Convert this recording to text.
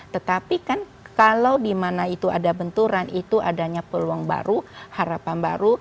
tetapi kan kalau di mana itu ada benturan itu adanya peluang baru harapan baru